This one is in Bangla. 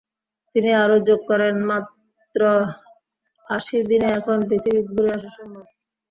তিনি আরও যোগ করেন, মাত্র আশি দিনে এখন পৃথিবী ঘুরে আসা সম্ভব।